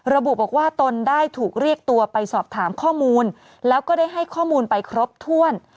ระบุบอกว่าตนได้ถูกเรียกตัวไปสอบถามข้อมูลแล้วก็ได้ให้ข้อมูลไปครบถ้วน